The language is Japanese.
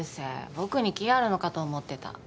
僕に気あるのかと思ってた。